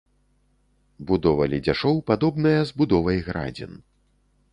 Будова ледзяшоў падобная з будовай градзін.